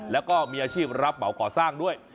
แล้วก็มีอาชีพรับเหมาก่อสร้างด้วย